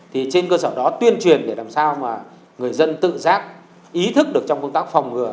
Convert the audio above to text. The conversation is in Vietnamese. thì trên cơ sở đó tuyên truyền để làm sao mà người dân tự giác ý thức được trong công tác phòng ngừa